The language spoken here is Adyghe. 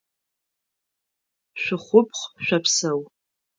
Шъухъупхъ, шъопсэу!